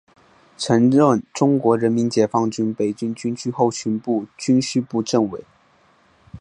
曾任中国人民解放军北京军区后勤部军需部政委。